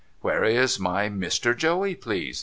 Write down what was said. ' Where is my Mr. Joey, please